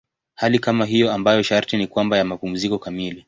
Hali kama hiyo ambayo sharti ni kwamba ya mapumziko kamili.